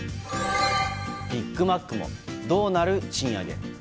ビッグマックもどうなる賃上げ。